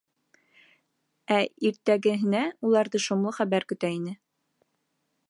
Ә иртәгеһенә уларҙы шомло хәбәр көтә ине.